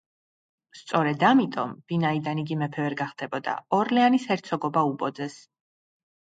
სწორედ ამიტომ, ვინაიდან იგი მეფე ვერ გახდებოდა, ორლეანის ჰერცოგობა უბოძეს.